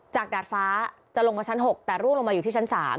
ดาดฟ้าจะลงมาชั้น๖แต่ร่วงลงมาอยู่ที่ชั้น๓